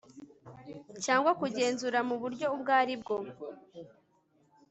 cyangwa kugenzura mu buryo ubwo ari bwo